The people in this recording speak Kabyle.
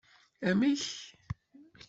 Amek?